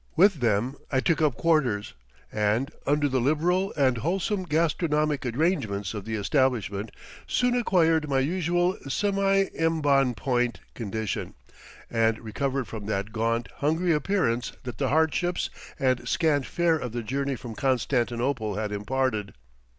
With them I took up my quarters, and, under the liberal and wholesome gastronomic arrangements of the establishment, soon acquired my usual semi embon point condition, and recovered from that gaunt, hungry appearance that the hardships and scant fare of the journey from Constantinople had imparted.